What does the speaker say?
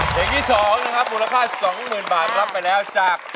เพลงที่๒นะครับมูลค่า๒๐๐๐บาทรับไปแล้วจาก